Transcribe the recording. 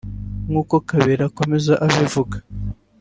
nk’uko Kabera akomeza abivuga